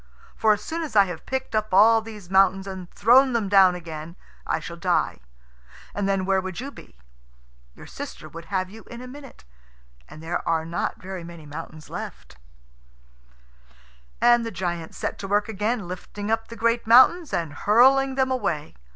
For as soon as I have picked up all these mountains and thrown them down again I shall die, and then where would you be? Your sister would have you in a minute. And there are not very many mountains left." And the giant set to work again, lifting up the great mountains and hurling them away.